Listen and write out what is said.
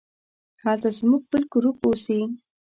هلته زموږ بل ګروپ اوسي.